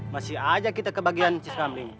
masih ajak kita ke bagian cisnamling